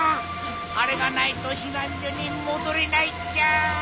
あれがないとひなんじょにもどれないっちゃ。